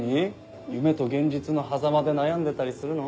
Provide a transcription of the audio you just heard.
夢と現実のはざまで悩んでたりするの？